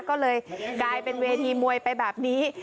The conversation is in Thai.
ก็เลยกลายเป็นเวทีมวยไปแบบนี้